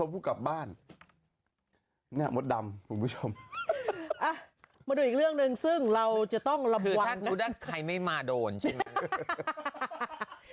คือถ้ารู้ได้ใครไม่มาโดนใช่มั้ย